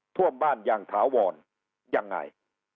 ทั่วบ้านยังถาวรยังไง